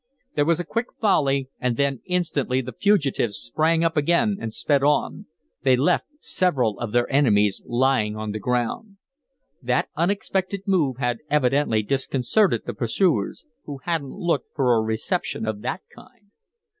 There was a quick volley, and then instantly the fugitives sprang up again and sped on. They left several of their enemies lying on the ground. That unexpected move had evidently disconcerted the pursuers, who hadn't looked for a reception of that kind.